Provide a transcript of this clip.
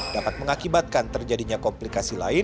dapat mengakibatkan terjadinya komplikasi lain